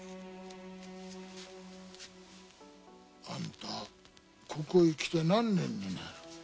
アンタここへ来て何年になる？